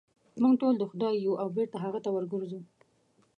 موږ ټول د خدای یو او بېرته هغه ته ورګرځو.